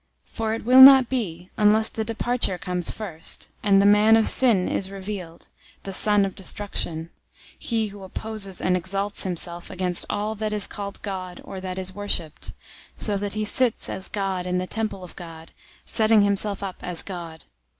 For it will not be, unless the departure comes first, and the man of sin is revealed, the son of destruction, 002:004 he who opposes and exalts himself against all that is called God or that is worshiped; so that he sits as God in the temple of God, setting himself up as God.